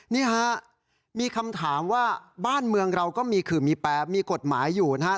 นี่ฮะมีคำถามว่าบ้านเมืองเราก็มีขื่อมีแปรมีกฎหมายอยู่นะครับ